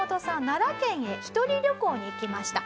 奈良県へ１人旅行に行きました。